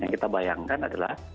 yang kita bayangkan adalah